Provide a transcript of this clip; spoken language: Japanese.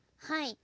はい。